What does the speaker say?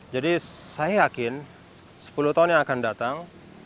jadi saya yakin sepuluh tahun yang akan datang